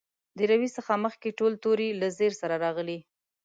د روي څخه مخکې ټول توري له زېر سره راغلي.